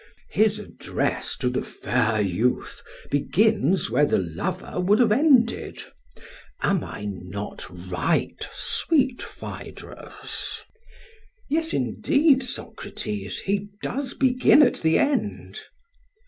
His address to the fair youth begins where the lover would have ended. Am I not right, sweet Phaedrus? PHAEDRUS: Yes, indeed, Socrates; he does begin at the end.